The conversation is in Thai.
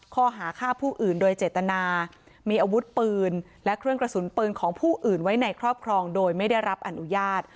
ข้อหาฆ่าผู้อื่นโดยเจตนามีอาวุธปืนและเครื่องกระสุนปืนของผู้อื่นไว้ในครอบครองโดยไม่ได้รับอนุญาต